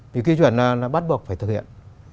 vì quy chuẩn nó bắt buộc phải thực hiện